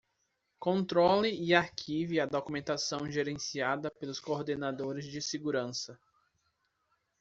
Controle e arquive a documentação gerenciada pelos coordenadores de segurança.